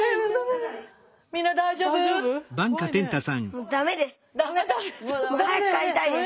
もうダメです。